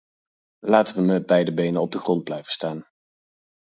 Laten we met beide benen op de grond blijven staan.